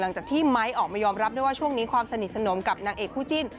หลังจากที่ไมค์ออกมายอมรับด้วยว่าช่วงนี้ความสนิทสนมกับนางเอกคู่จิ้น